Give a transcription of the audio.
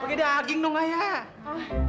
pakai daging dong ayah